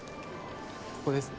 ここですね